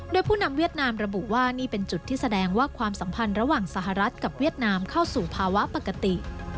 โดยผู้นำเวียดนามระบุว่านี่เป็นจุดที่แสดงว่าความสัมพันธ์ระหว่างสหรัฐกับเวียดนามเข้าสู่ภาวะปกติ